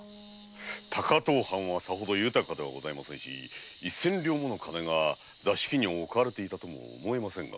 高遠藩はさほど豊かではございませんし千両もの金が座敷に置かれていたとも思えませんな。